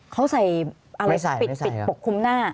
เขาใส่อะไรปิดปกคลุมหน้า